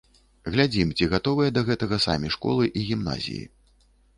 Глядзім, ці гатовыя да гэтага самі школы і гімназіі.